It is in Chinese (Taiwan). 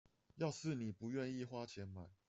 要是妳不願意花錢買